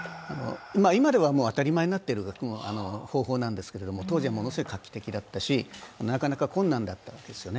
今では当たり前になっている方法なんですけれども、当時はものすごい画期的だったし、なかなか困難だったんですね。